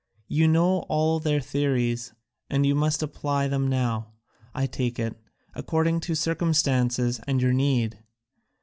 You know all their theories, and you must apply them now, I take it, according to circumstances and your need.